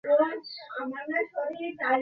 দেখিলাম, তিনি এক গভীরভাবে ভাবিত।